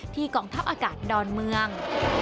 กองทัพอากาศดอนเมือง